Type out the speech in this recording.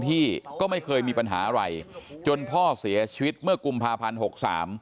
ที่ก็ไม่เคยมีปัญหาอะไรจนพ่อเสียชีวิตเมื่อกุมภาพันธ์หกสาม